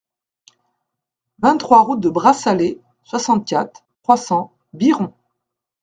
vingt-trois route de Brassalay, soixante-quatre, trois cents, Biron